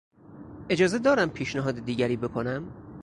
اجازه دارم پیشنهاد دیگری بکنم؟